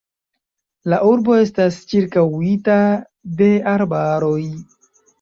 La urbo estas ĉirkaŭita de arbaroj.